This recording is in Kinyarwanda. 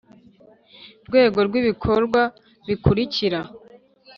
Rwego rw ibikorwa bikurikira